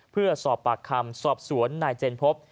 เพื่อสอบปากคำสอบสวนนายเจนพบ